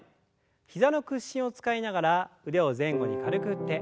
膝の屈伸を使いながら腕を前後に軽く振って。